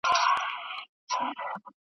نه به کاڼی پوست سي، نه به غلیم دوست سي .